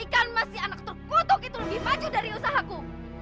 kan masih anak terkutuk itu lebih maju dari usahaku